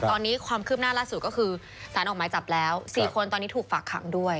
ตอนนี้ความคืบหน้าล่าสุดก็คือสารออกหมายจับแล้ว๔คนตอนนี้ถูกฝากขังด้วย